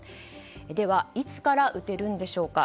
では、いつから打てるんでしょうか。